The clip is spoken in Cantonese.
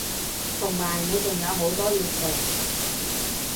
同埋你仲有好多嘢做